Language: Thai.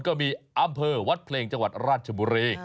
ก็มีอำเภอวัดเพลงจังหวัดราชบุรี